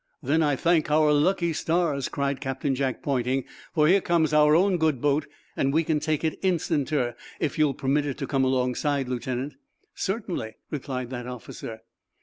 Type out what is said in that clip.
"Then I thank our lucky stars," cried Captain Jack, pointing, "for here comes our own good boat, and we can take it, instanter, if you'll permit it to come alongside, Lieutenant. "Certainly," replied that officer.